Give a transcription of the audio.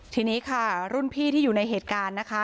ทีนี้ค่ะรุ่นพี่ที่อยู่ในเหตุการณ์นะคะ